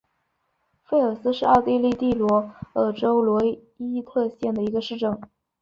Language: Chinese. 菲尔斯是奥地利蒂罗尔州罗伊特县的一个市镇。